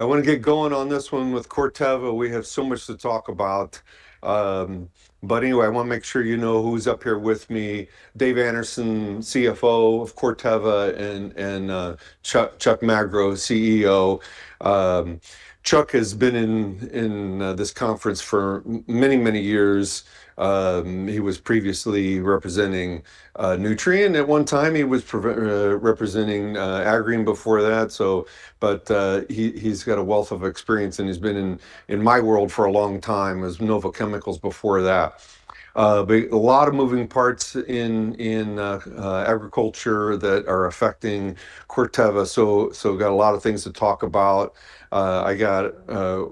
I want to get going on this one with Corteva. We have so much to talk about, but anyway, I want to make sure you know who's up here with me. Dave Anderson, CFO of Corteva, and Chuck Magro, CEO. Chuck has been in this conference for many, many years. He was previously representing Nutrien. At one time he was previously representing Agrium before that, so but he's got a wealth of experience and he's been in my world for a long time as Nova Chemicals before that. But a lot of moving parts in agriculture that are affecting Corteva, so got a lot of things to talk about. I got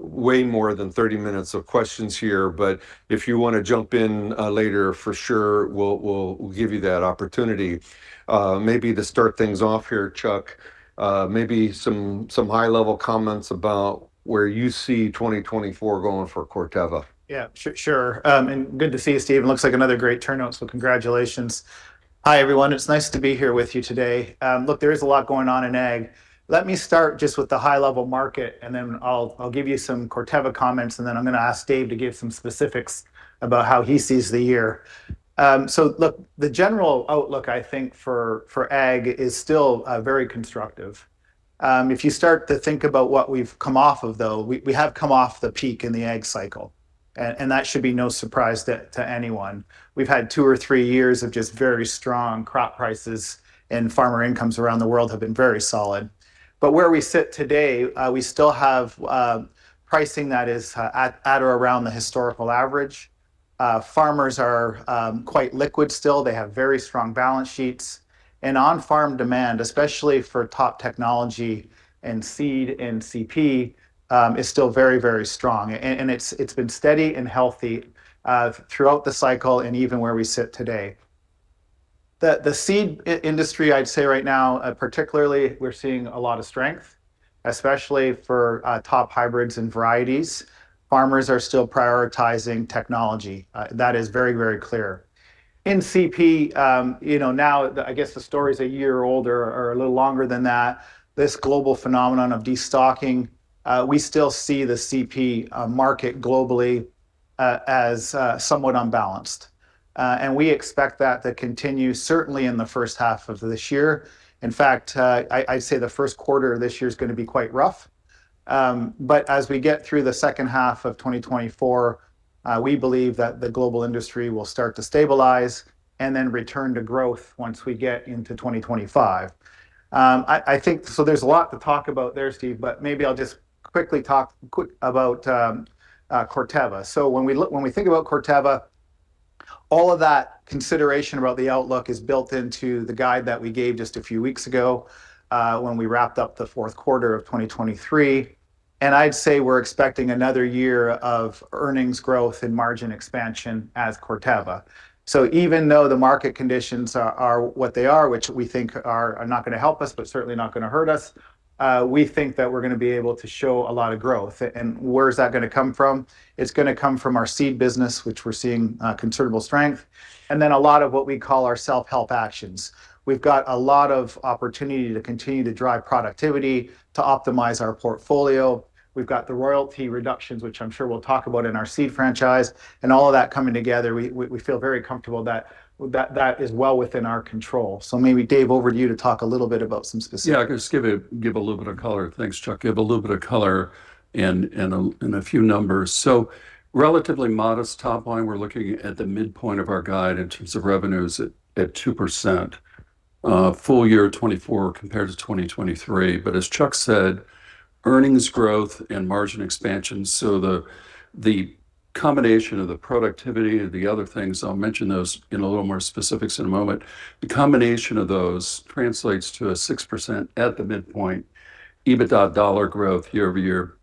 way more than 30 minutes of questions here, but if you want to jump in later, for sure we'll give you that opportunity. Maybe to start things off here, Chuck, maybe some high-level comments about where you see 2024 going for Corteva. Yeah, sure, sure. Good to see you, Steven. Looks like another great turnout, so congratulations. Hi everyone, it's nice to be here with you today. Look, there is a lot going on in Ag. Let me start just with the high-level market, and then I'll, I'll give you some Corteva comments, and then I'm going to ask Dave to give some specifics about how he sees the year. So look, the general outlook, I think, for, for Ag is still, very constructive. If you start to think about what we've come off of, though, we-we have come off the peak in the Ag cycle, and, and that should be no surprise to, to anyone. We've had two or three years of just very strong crop prices, and farmer incomes around the world have been very solid. But where we sit today, we still have pricing that is at or around the historical average. Farmers are quite liquid still. They have very strong balance sheets. And on-farm demand, especially for top technology and seed and CP, is still very, very strong. And it's been steady and healthy throughout the cycle and even where we sit today. The seed industry, I'd say right now, particularly, we're seeing a lot of strength, especially for top hybrids and varieties. Farmers are still prioritizing technology. That is very, very clear. In CP, you know, now I guess the stories a year older or a little longer than that, this global phenomenon of destocking, we still see the CP market globally as somewhat unbalanced. And we expect that to continue, certainly in the first half of this year. In fact, I'd say the first quarter of this year is going to be quite rough. But as we get through the second half of 2024, we believe that the global industry will start to stabilize and then return to growth once we get into 2025. I think so there's a lot to talk about there, Steve, but maybe I'll just quickly talk about Corteva. When we think about Corteva, all of that consideration about the outlook is built into the guide that we gave just a few weeks ago, when we wrapped up the fourth quarter of 2023. I'd say we're expecting another year of earnings growth and margin expansion as Corteva. So even though the market conditions are what they are, which we think are not going to help us, but certainly not going to hurt us, we think that we're going to be able to show a lot of growth. And where's that going to come from? It's going to come from our seed business, which we're seeing considerable strength. And then a lot of what we call our self-help actions. We've got a lot of opportunity to continue to drive productivity, to optimize our portfolio. We've got the royalty reductions, which I'm sure we'll talk about in our seed franchise, and all of that coming together, we feel very comfortable that that is well within our control. So maybe, Dave, over to you to talk a little bit about some specifics. Yeah, I'll just give a little bit of color. Thanks, Chuck. Give a little bit of color and a few numbers. So relatively modest top line. We're looking at the midpoint of our guide in terms of revenues at 2%, full year 2024 compared to 2023. But as Chuck said, earnings growth and margin expansion, so the combination of the productivity and the other things, I'll mention those in a little more specifics in a moment, the combination of those translates to a 6% at the midpoint EBITDA dollar growth year-over-year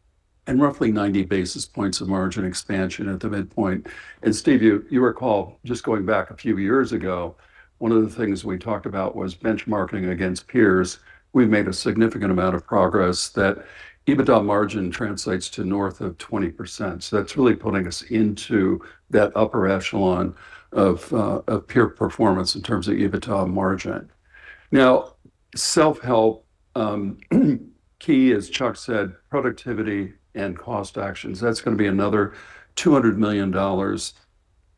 and roughly 90 basis points of margin expansion at the midpoint. And Steve, you recall just going back a few years ago, one of the things we talked about was benchmarking against peers. We've made a significant amount of progress that EBITDA margin translates to north of 20%. So that's really putting us into that upper echelon of, of peer performance in terms of EBITDA margin. Now, self-help, key is, Chuck said, productivity and cost actions. That's going to be another $200 million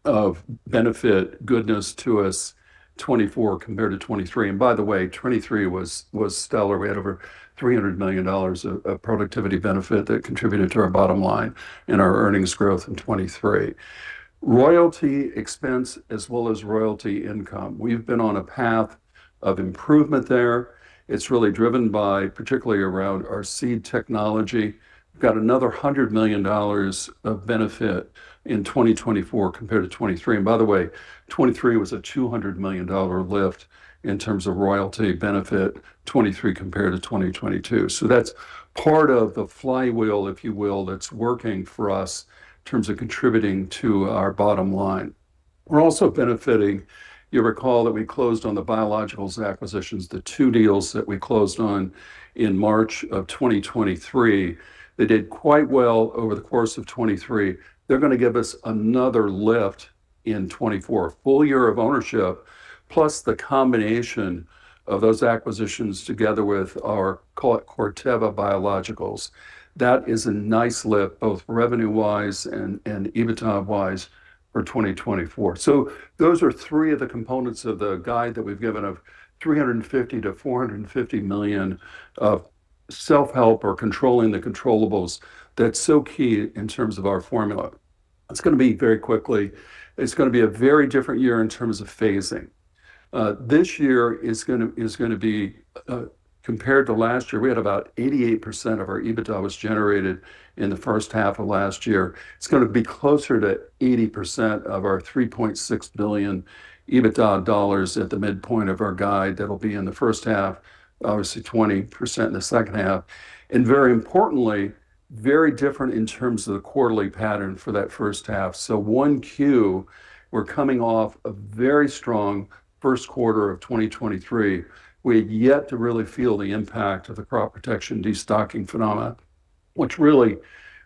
of benefit goodness to us 2024 compared to 2023. And by the way, 2023 was, was stellar. We had over $300 million of productivity benefit that contributed to our bottom line and our earnings growth in 2023. Royalty expense as well as royalty income. We've been on a path of improvement there. It's really driven by particularly around our seed technology. We've got another $100 million of benefit in 2024 compared to 2023. And by the way, 2023 was a $200 million lift in terms of royalty benefit, 2023 compared to 2022. So that's part of the flywheel, if you will, that's working for us in terms of contributing to our bottom line. We're also benefiting. You recall that we closed on the biologicals acquisitions, the two deals that we closed on in March of 2023. They did quite well over the course of 2023. They're going to give us another lift in 2024, a full year of ownership, plus the combination of those acquisitions together with our, call it, Corteva Biologicals. That is a nice lift both revenue-wise and, and EBITDA-wise for 2024. So those are three of the components of the guide that we've given of $350-$450 million of self-help or controlling the controllables. That's so key in terms of our formula. It's going to be very quickly. It's going to be a very different year in terms of phasing. This year is going to be, compared to last year, we had about 88% of our EBITDA was generated in the first half of last year. It's going to be closer to 80% of our $3.6 billion EBITDA dollars at the midpoint of our guide. That'll be in the first half, obviously 20% in the second half. Very importantly, very different in terms of the quarterly pattern for that first half. So Q1, we're coming off a very strong first quarter of 2023. We had yet to really feel the impact of the crop protection destocking phenomenon, which really,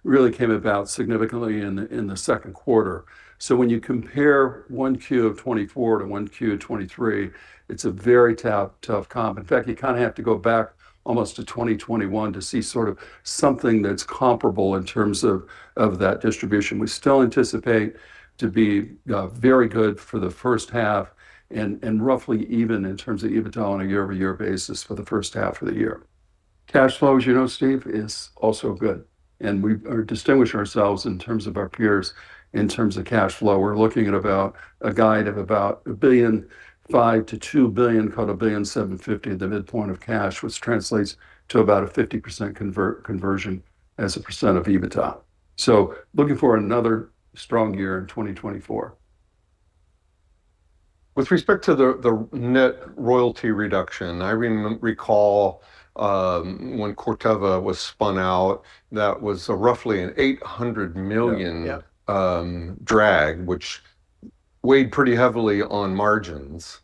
really came about significantly in the second quarter. So when you compare Q1 of 2024 to Q1 of 2023, it's a very tough, tough comp. In fact, you kind of have to go back almost to 2021 to see sort of something that's comparable in terms of that distribution. We still anticipate to be very good for the first half and roughly even in terms of EBITDA on a year-over-year basis for the first half of the year. Cash flow, as you know, Steve, is also good. We distinguish ourselves in terms of our peers in terms of cash flow. We're looking at about a guide of about $1.5 billion-$2 billion, called $1.75 billion at the midpoint of cash, which translates to about a 50% conversion as a percent of EBITDA. Looking for another strong year in 2024. With respect to the net royalty reduction, I recall, when Corteva was spun out, that was roughly an $800 million drag, which weighed pretty heavily on margins.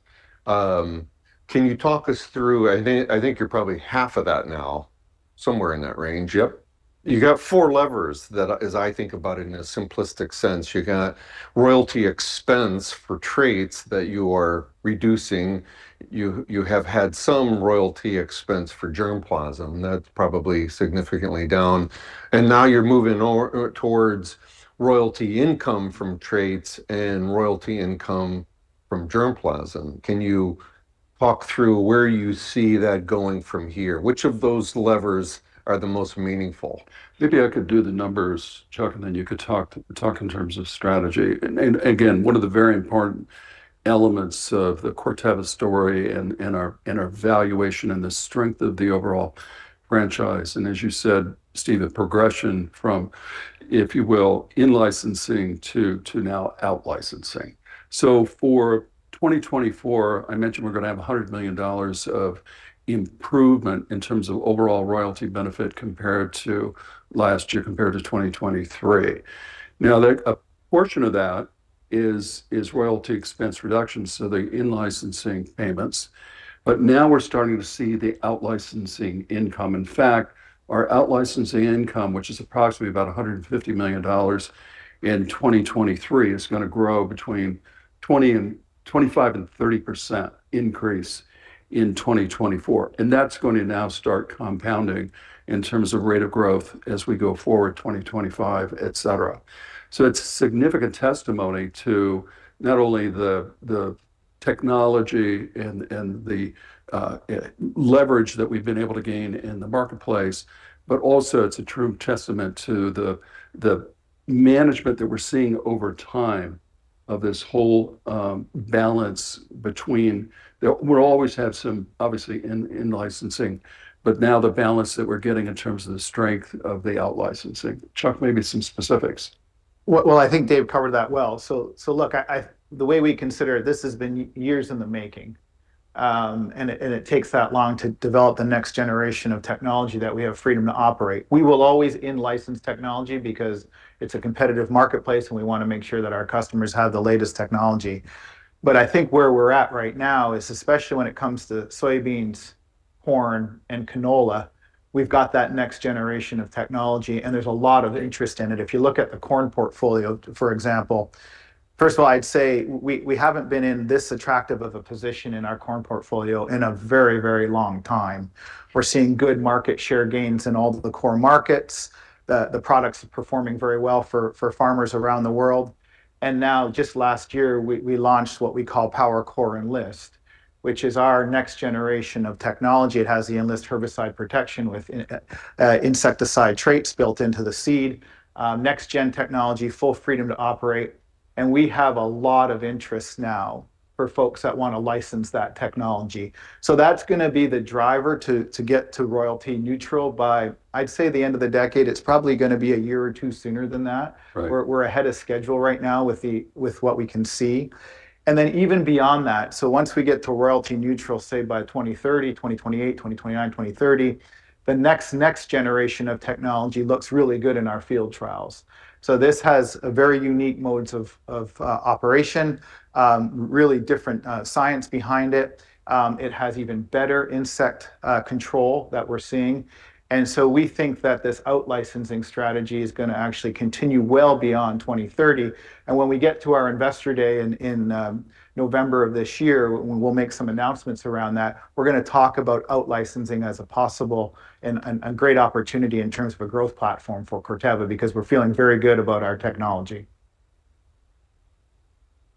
Can you talk us through? I think you're probably half of that now, somewhere in that range. Yep. You got four levers that, as I think about it in a simplistic sense, you got royalty expense for traits that you are reducing. You, you have had some royalty expense for germplasm. That's probably significantly down. And now you're moving over towards royalty income from traits and royalty income from germplasm. Can you talk through where you see that going from here? Which of those levers are the most meaningful? Maybe I could do the numbers, Chuck, and then you could talk in terms of strategy. And again, one of the very important elements of the Corteva story and our valuation and the strength of the overall franchise. And as you said, Steve, a progression from, if you will, in-licensing to now out-licensing. So for 2024, I mentioned we're going to have $100 million of improvement in terms of overall royalty benefit compared to last year, compared to 2023. Now, a portion of that is royalty expense reduction, so the in-licensing payments. But now we're starting to see the out-licensing income. In fact, our out-licensing income, which is approximately about $150 million in 2023, is going to grow between 25% and 30% increase in 2024. That's going to now start compounding in terms of rate of growth as we go forward, 2025, etc. It's a significant testimony to not only the technology and the leverage that we've been able to gain in the marketplace, but also it's a true testament to the management that we're seeing over time of this whole balance between the we'll always have some, obviously, in-licensing, but now the balance that we're getting in terms of the strength of the out-licensing. Chuck, maybe some specifics. Well, I think Dave covered that well. So look, I the way we consider it, this has been years in the making. And it takes that long to develop the next generation of technology that we have freedom to operate. We will always in-license technology because it's a competitive marketplace and we want to make sure that our customers have the latest technology. But I think where we're at right now is especially when it comes to soybeans, corn, and canola, we've got that next generation of technology and there's a lot of interest in it. If you look at the corn portfolio, for example, first of all, I'd say we haven't been in this attractive of a position in our corn portfolio in a very, very long time. We're seeing good market share gains in all the core markets. The products are performing very well for farmers around the world. And now, just last year, we launched what we call PowerCore Enlist, which is our next generation of technology. It has the Enlist herbicide protection with insecticide traits built into the seed. next-gen technology, full freedom to operate. And we have a lot of interest now for folks that want to license that technology. So that's going to be the driver to get to royalty neutral by, I'd say, the end of the decade. It's probably going to be a year or two sooner than that. We're ahead of schedule right now with what we can see. And then even beyond that, so once we get to royalty neutral, say, by 2030, 2028, 2029, 2030, the next generation of technology looks really good in our field trials. So this has very unique modes of operation, really different science behind it. It has even better insect control that we're seeing. And so we think that this out-licensing strategy is going to actually continue well beyond 2030. And when we get to our investor day in November of this year, when we'll make some announcements around that, we're going to talk about out-licensing as a possible and a great opportunity in terms of a growth platform for Corteva because we're feeling very good about our technology.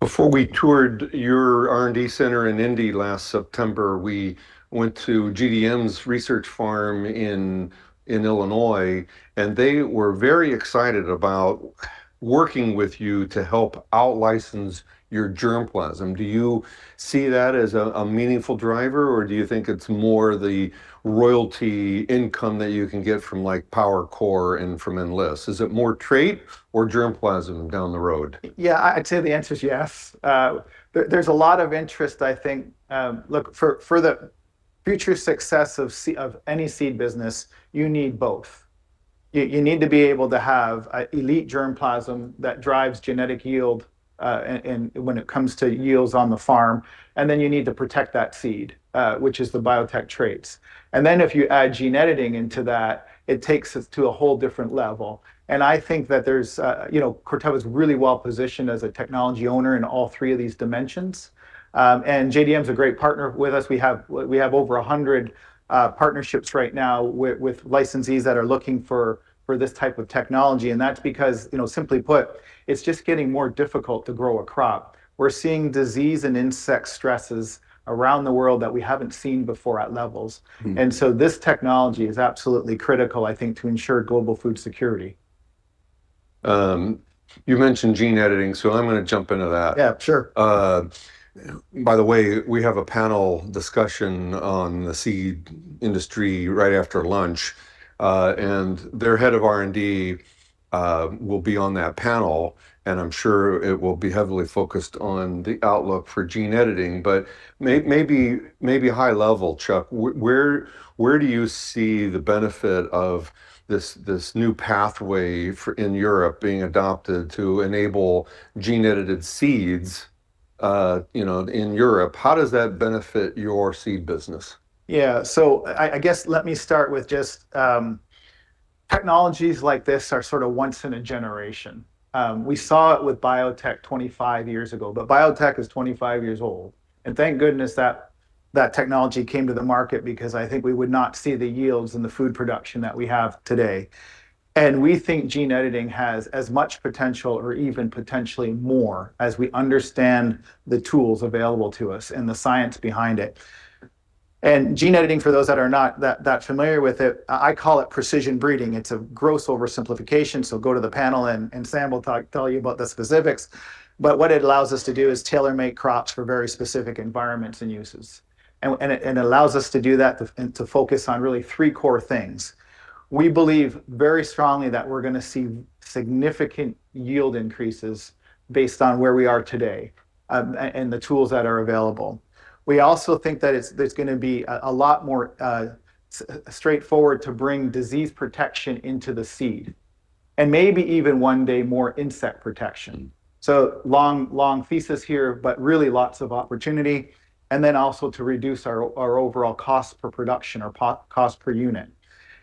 Before we toured your R&D center in Indy last September, we went to GDM's research farm in Illinois, and they were very excited about working with you to help out-license your germplasm. Do you see that as a meaningful driver, or do you think it's more the royalty income that you can get from, like, PowerCore and from Enlist? Is it more trait or germplasm down the road? Yeah, I'd say the answer is yes. There's a lot of interest, I think. Look, for the future success of seed of any seed business, you need both. You need to be able to have an elite germplasm that drives genetic yield, and when it comes to yields on the farm. And then you need to protect that seed, which is the biotech traits. And then if you add gene editing into that, it takes us to a whole different level. And I think that there's, you know, Corteva is really well positioned as a technology owner in all three of these dimensions. And GDM is a great partner with us. We have over 100 partnerships right now with licensees that are looking for this type of technology. That's because, you know, simply put, it's just getting more difficult to grow a crop. We're seeing disease and insect stresses around the world that we haven't seen before at levels. And so this technology is absolutely critical, I think, to ensure global food security. You mentioned gene editing, so I'm going to jump into that. Yeah, sure. By the way, we have a panel discussion on the seed industry right after lunch. And their head of R&D will be on that panel, and I'm sure it will be heavily focused on the outlook for gene editing. But maybe, maybe high level, Chuck, where, where do you see the benefit of this, this new pathway for in Europe being adopted to enable gene-edited seeds, you know, in Europe? How does that benefit your seed business? Yeah, so I guess let me start with just technologies like this are sort of once in a generation. We saw it with biotech 25 years ago, but biotech is 25 years old. And thank goodness that technology came to the market because I think we would not see the yields in the food production that we have today. And we think gene editing has as much potential or even potentially more as we understand the tools available to us and the science behind it. And gene editing, for those that are not that familiar with it, I call it precision breeding. It's a gross oversimplification. So go to the panel and Sam will talk, tell you about the specifics. But what it allows us to do is tailor-make crops for very specific environments and uses. And it allows us to do that and to focus on really three core things. We believe very strongly that we're going to see significant yield increases based on where we are today, and the tools that are available. We also think that it's going to be a lot more straightforward to bring disease protection into the seed and maybe even one day more insect protection. So long thesis here, but really lots of opportunity. And then also to reduce our overall cost per production or cost per unit.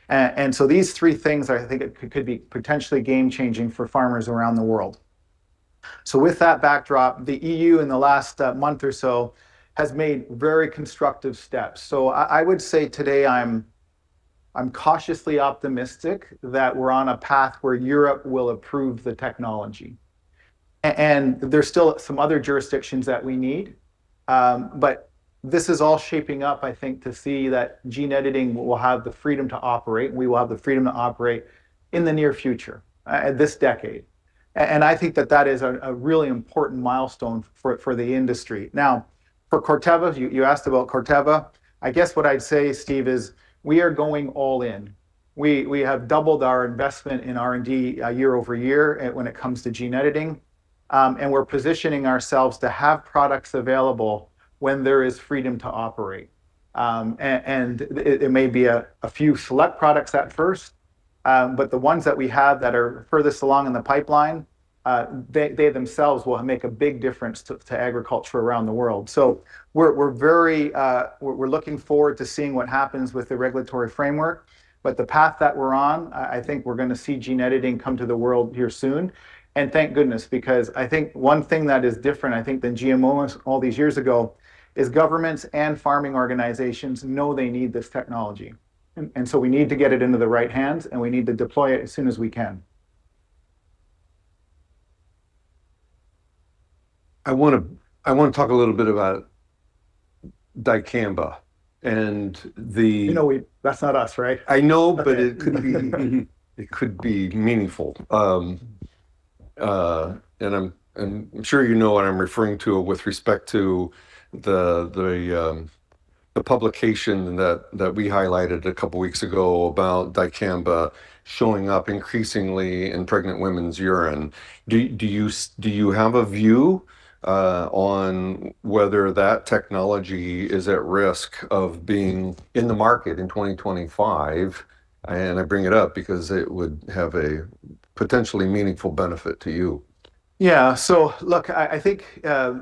And so these three things I think could be potentially game-changing for farmers around the world. So with that backdrop, the EU in the last month or so has made very constructive steps. So I would say today I'm cautiously optimistic that we're on a path where Europe will approve the technology. There's still some other jurisdictions that we need, but this is all shaping up, I think, to see that gene editing will have the freedom to operate and we will have the freedom to operate in the near future, in this decade. And I think that that is a really important milestone for the industry. Now, for Corteva, you asked about Corteva. I guess what I'd say, Steve, is we are going all in. We have doubled our investment in R&D year-over-year when it comes to gene editing, and we're positioning ourselves to have products available when there is freedom to operate. And it may be a few select products at first, but the ones that we have that are furthest along in the pipeline, they themselves will make a big difference to agriculture around the world. So we're very looking forward to seeing what happens with the regulatory framework. But the path that we're on, I think we're going to see gene editing come to the world here soon. And thank goodness, because I think one thing that is different, I think, than GMOs all these years ago is governments and farming organizations know they need this technology. And so we need to get it into the right hands and we need to deploy it as soon as we can. I want to talk a little bit about dicamba and the. You know, we, that's not us, right? I know, but it could be meaningful. I'm sure you know what I'm referring to with respect to the publication that we highlighted a couple of weeks ago about dicamba showing up increasingly in pregnant women's urine. Do you have a view on whether that technology is at risk of being in the market in 2025? I bring it up because it would have a potentially meaningful benefit to you. Yeah, so look, I think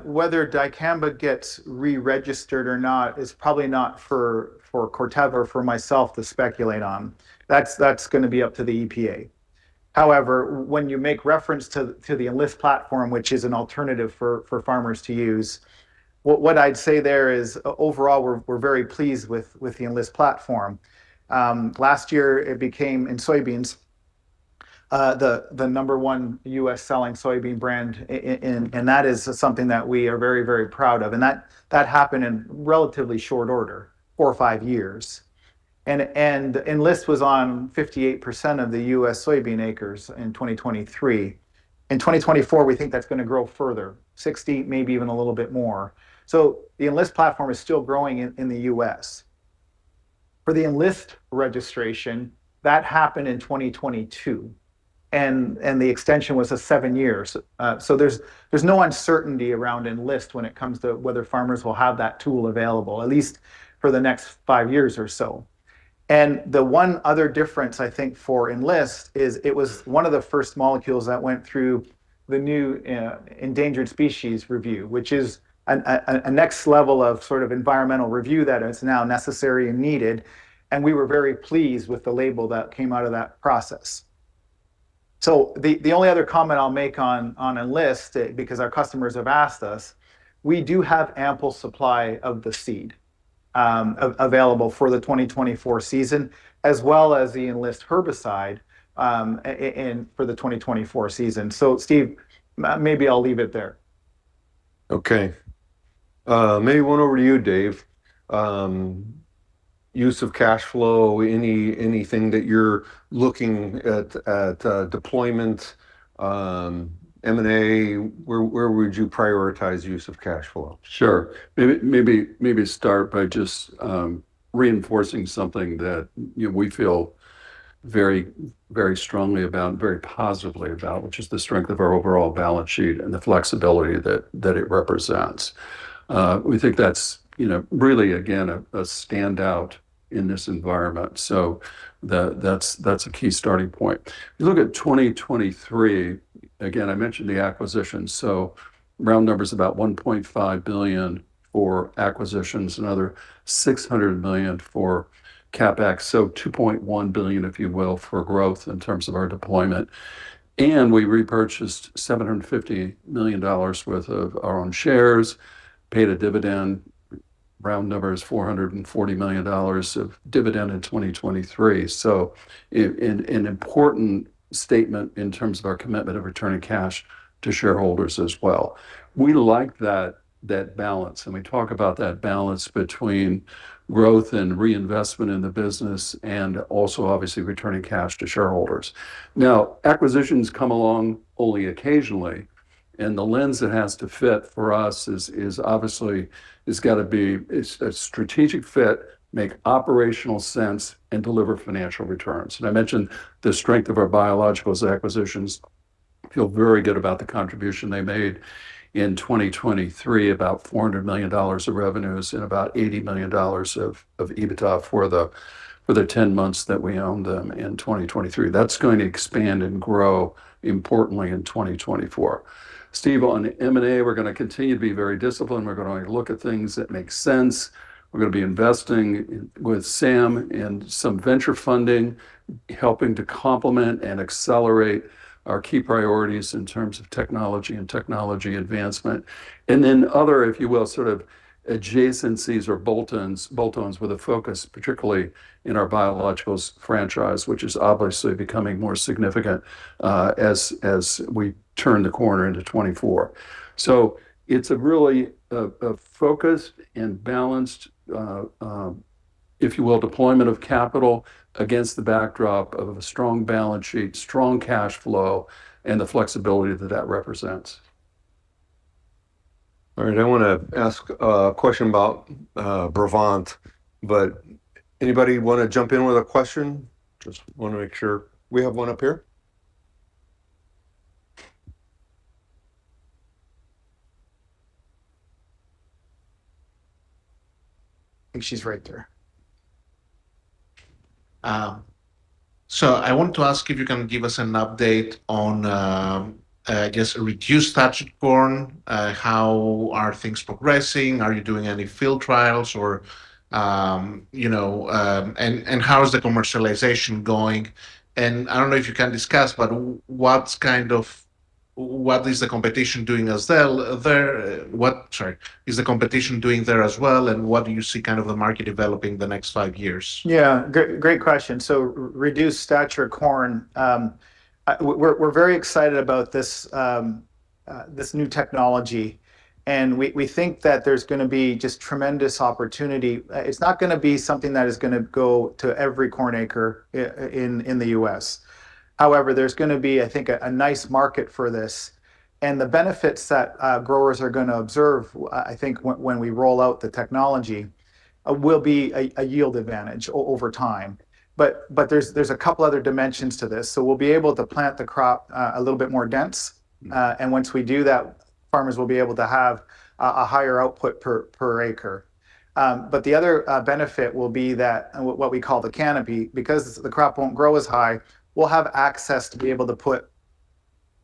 whether dicamba gets re-registered or not is probably not for Corteva or for myself to speculate on. That's going to be up to the EPA. However, when you make reference to the Enlist platform, which is an alternative for farmers to use, what I'd say there is overall, we're very pleased with the Enlist platform. Last year it became in soybeans the number one U.S. selling soybean brand. And that is something that we are very, very proud of. And that happened in relatively short order, four or five years. And Enlist was on 58% of the U.S. soybean acres in 2023. In 2024, we think that's going to grow further, 60%, maybe even a little bit more. So the Enlist platform is still growing in the U.S. For the Enlist registration, that happened in 2022. The extension was 7 years. So there's no uncertainty around Enlist when it comes to whether farmers will have that tool available, at least for the next 5 years or so. And the one other difference, I think, for Enlist is it was one of the first molecules that went through the new endangered species review, which is a next level of sort of environmental review that it's now necessary and needed. And we were very pleased with the label that came out of that process. So the only other comment I'll make on Enlist, because our customers have asked us, we do have ample supply of the seed available for the 2024 season, as well as the Enlist herbicide, and for the 2024 season. So, Steve, maybe I'll leave it there. Okay. Maybe hand it over to you, Dave. Use of cash flow, anything that you're looking at for deployment, M&A. Where would you prioritize use of cash flow? Sure. Maybe, maybe, maybe start by just, reinforcing something that, you know, we feel very, very strongly about, very positively about, which is the strength of our overall balance sheet and the flexibility that, that it represents. We think that's, you know, really, again, a standout in this environment. So that, that's, that's a key starting point. If you look at 2023, again, I mentioned the acquisitions. So round numbers about $1.5 billion for acquisitions and other $600 million for CapEx. So $2.1 billion, if you will, for growth in terms of our deployment. And we repurchased $750 million worth of our own shares, paid a dividend. Round number is $440 million of dividend in 2023. So an important statement in terms of our commitment of returning cash to shareholders as well. We like that, that balance. We talk about that balance between growth and reinvestment in the business and also, obviously, returning cash to shareholders. Now, acquisitions come along only occasionally. The lens it has to fit for us is, is obviously, it's got to be a strategic fit, make operational sense, and deliver financial returns. I mentioned the strength of our biologicals acquisitions. I feel very good about the contribution they made in 2023, about $400 million of revenues and about $80 million of, of EBITDA for the, for the 10 months that we owned them in 2023. That's going to expand and grow importantly in 2024. Steve, on M&A, we're going to continue to be very disciplined. We're going to only look at things that make sense. We're going to be investing with Sam in some venture funding, helping to complement and accelerate our key priorities in terms of technology and technology advancement. And then other, if you will, sort of adjacencies or bolt-ons, bolt-ons with a focus, particularly in our biologicals franchise, which is obviously becoming more significant, as we turn the corner into 2024. So it's a really, a focused and balanced, if you will, deployment of capital against the backdrop of a strong balance sheet, strong cash flow, and the flexibility that that represents. All right. I want to ask a question about Brevant. But anybody want to jump in with a question? Just want to make sure we have one up here. I think she's right there. So I want to ask if you can give us an update on, I guess reduced stature corn. How are things progressing? Are you doing any field trials or, you know, and how is the commercialization going? And I don't know if you can discuss, but what's kind of what is the competition doing as well there? What, sorry, is the competition doing there as well? And what do you see kind of the market developing the next five years? Yeah, great, great question. So reduced stature corn, we're very excited about this new technology. And we think that there's going to be just tremendous opportunity. It's not going to be something that is going to go to every corn acre in the U.S. However, there's going to be, I think, a nice market for this. And the benefits that growers are going to observe, I think, when we roll out the technology will be a yield advantage over time. But there's a couple other dimensions to this. So we'll be able to plant the crop a little bit more dense. And once we do that, farmers will be able to have a higher output per acre. But the other benefit will be that what we call the canopy, because the crop won't grow as high, we'll have access to be able to put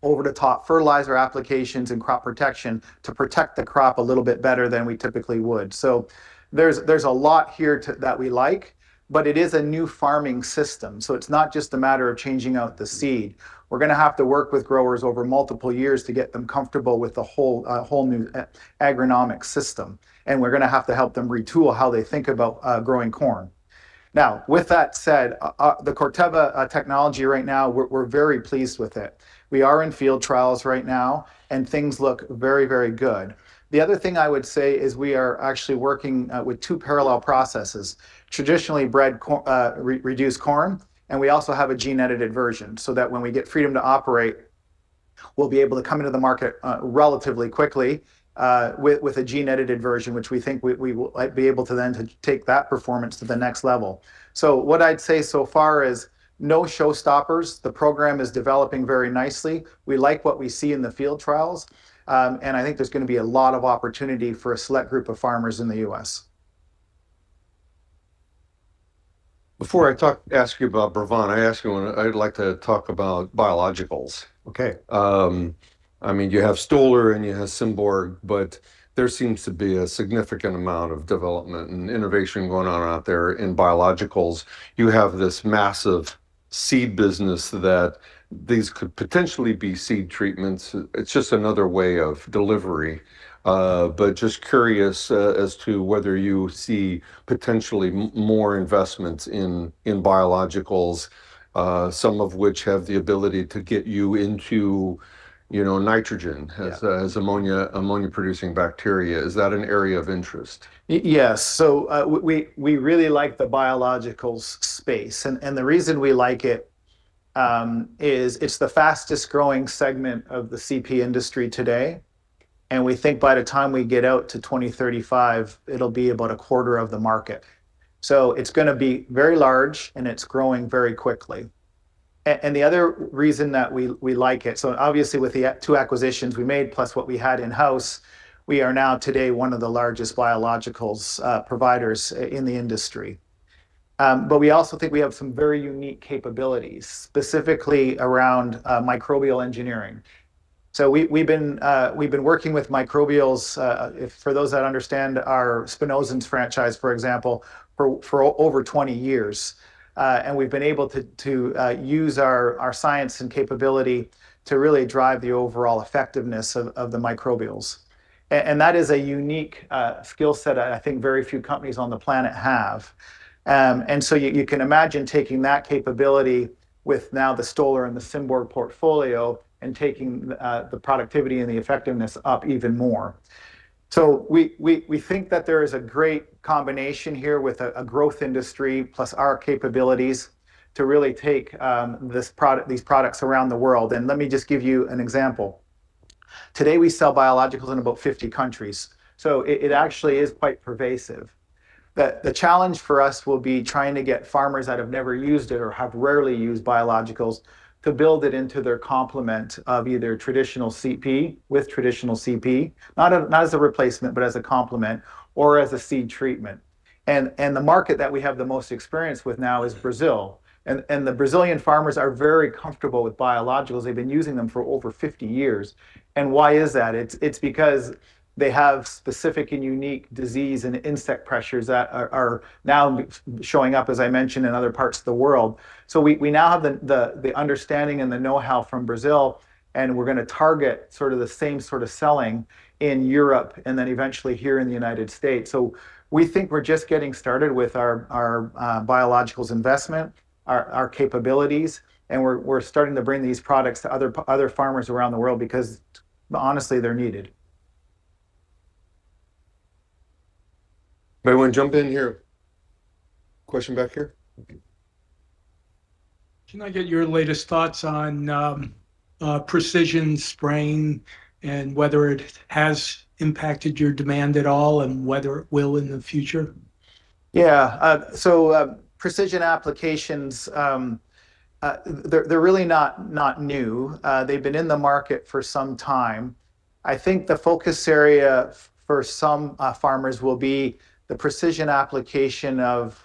over-the-top fertilizer applications and crop protection to protect the crop a little bit better than we typically would. So there's, there's a lot here to that we like, but it is a new farming system. So it's not just a matter of changing out the seed. We're going to have to work with growers over multiple years to get them comfortable with the whole, whole new agronomic system. And we're going to have to help them retool how they think about growing corn. Now, with that said, the Corteva technology right now, we're very pleased with it. We are in field trials right now and things look very, very good. The other thing I would say is we are actually working with two parallel processes. Traditionally bred reduced corn. We also have a gene-edited version so that when we get freedom to operate, we'll be able to come into the market relatively quickly with a gene-edited version, which we think we will be able to then take that performance to the next level. So what I'd say so far is no showstoppers. The program is developing very nicely. We like what we see in the field trials. I think there's going to be a lot of opportunity for a select group of farmers in the U.S. Before I talk, ask you about Brevant, I ask you when I'd like to talk about biologicals. Okay. I mean, you have Stoller and you have Symborg, but there seems to be a significant amount of development and innovation going on out there in biologicals. You have this massive seed business that these could potentially be seed treatments. It's just another way of delivery. But just curious as to whether you see potentially more investments in, in biologicals, some of which have the ability to get you into, you know, nitrogen as, as ammonia, ammonia-producing bacteria. Is that an area of interest? Yes. So, we really like the biologicals space. And the reason we like it is it's the fastest growing segment of the CP industry today. And we think by the time we get out to 2035, it'll be about a quarter of the market. So it's going to be very large and it's growing very quickly. And the other reason that we like it, so obviously with the two acquisitions we made, plus what we had in-house, we are now today one of the largest biologicals providers in the industry. But we also think we have some very unique capabilities, specifically around microbial engineering. So we've been working with microbials, for those that understand our Spinosyns franchise, for example, for over 20 years. We've been able to use our science and capability to really drive the overall effectiveness of the microbials. That is a unique skill set that I think very few companies on the planet have. So you can imagine taking that capability with now the Stoller and the Symborg portfolio and taking the productivity and the effectiveness up even more. We think that there is a great combination here with a growth industry plus our capabilities to really take this product, these products around the world. Let me just give you an example. Today we sell biologicals in about 50 countries. So it actually is quite pervasive. The challenge for us will be trying to get farmers that have never used it or have rarely used biologicals to build it into their complement of either traditional CP with traditional CP, not as a replacement, but as a complement or as a seed treatment. The market that we have the most experience with now is Brazil. The Brazilian farmers are very comfortable with biologicals. They've been using them for over 50 years. Why is that? It's because they have specific and unique disease and insect pressures that are now showing up, as I mentioned, in other parts of the world. We now have the understanding and the know-how from Brazil. We're going to target sort of the same sort of selling in Europe and then eventually here in the United States. So we think we're just getting started with our biologicals investment, our capabilities, and we're starting to bring these products to other, other farmers around the world because honestly, they're needed. Anyone jump in here? Question back here? Can I get your latest thoughts on precision spraying and whether it has impacted your demand at all and whether it will in the future? Yeah. So precision applications, they're really not new. They've been in the market for some time. I think the focus area for some farmers will be the precision application of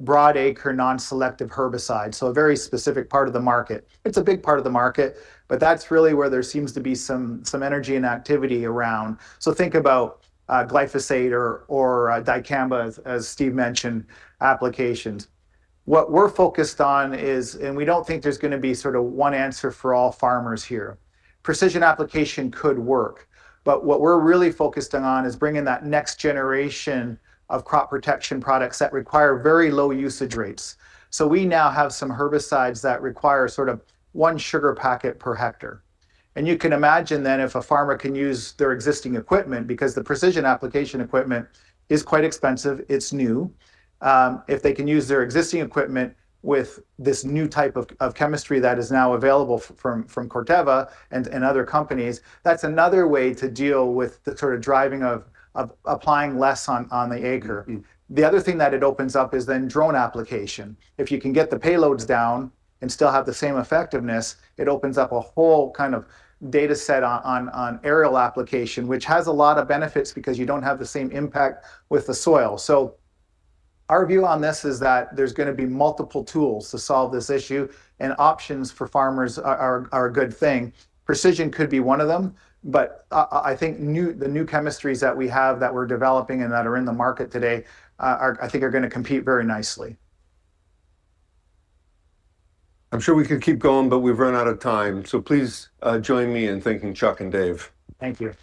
broad acre non-selective herbicides. So a very specific part of the market. It's a big part of the market, but that's really where there seems to be some energy and activity around. So think about glyphosate or dicamba, as Steve mentioned, applications. What we're focused on is, and we don't think there's going to be sort of one answer for all farmers here. Precision application could work, but what we're really focused on is bringing that next generation of crop protection products that require very low usage rates. So we now have some herbicides that require sort of one sugar packet per hectare. You can imagine then if a farmer can use their existing equipment because the precision application equipment is quite expensive, it's new. If they can use their existing equipment with this new type of chemistry that is now available from Corteva and other companies, that's another way to deal with the sort of driving of applying less on the acre. The other thing that it opens up is then drone application. If you can get the payloads down and still have the same effectiveness, it opens up a whole kind of data set on aerial application, which has a lot of benefits because you don't have the same impact with the soil. So our view on this is that there's going to be multiple tools to solve this issue and options for farmers are a good thing. Precision could be one of them, but I think the new chemistries that we have that we're developing and that are in the market today I think are going to compete very nicely. I'm sure we could keep going, but we've run out of time. So please join me in thanking Chuck and Dave. Thank you.